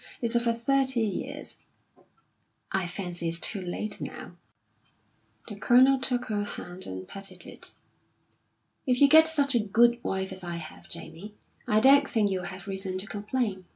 It's over thirty years." "I fancy it's too late now." The Colonel took her hand and patted it. "If you get such a good wife as I have, Jamie, I don't think you'll have reason to complain.